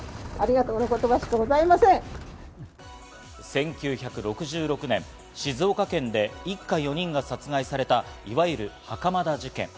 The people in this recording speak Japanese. １９６６年、静岡県で一家４人が殺害された、いわゆる袴田事件。